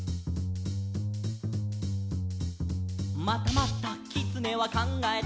「またまたきつねはかんがえた」